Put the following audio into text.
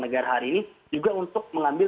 negara hari ini juga untuk mengambil